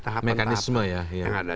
tahapan tahapan yang ada